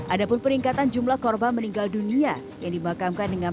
ada pun peningkatan jumlah korban meninggal dunia yang dimakamkan dengan